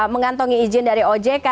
mengantongi izin dari ojk